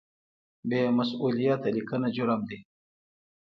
بې مسؤلیته لیکنه جرم دی.